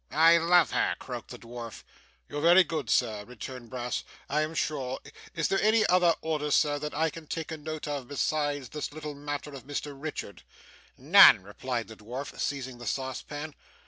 'I love her,' croaked the dwarf. 'You're very good, Sir,' returned Brass, 'I am sure. Is there any other order, sir, that I can take a note of, besides this little matter of Mr Richard?' 'None,' replied the dwarf, seizing the saucepan.